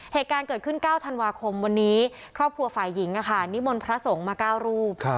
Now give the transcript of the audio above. เหตุการณ์เกิดขึ้น๙ธันวาคมวันนี้ครอบครัวฝ่ายหญิงนิมนต์พระสงฆ์มา๙รูป